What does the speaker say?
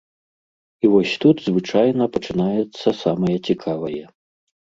І вось тут звычайна пачынаецца самае цікавае.